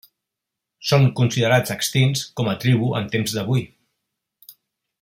Són considerats extints com a tribu en temps d'avui.